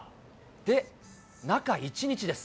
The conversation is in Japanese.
で、中１日です。